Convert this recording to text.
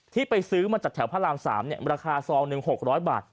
ที่ไปซื้อมาจากแถวพระราม๓ราคา๑หก๑๐๐บาท